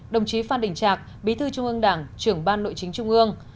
đồng chí phan đình trạc bí thư trung ương đảng trưởng ban nội chính trung ương